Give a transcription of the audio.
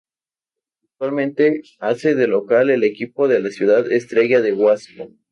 Actualmente hace de local el equipo de la ciudad Estrella de Huasco.